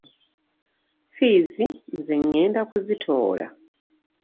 Ffiizi nze ŋŋenda kuzitoola.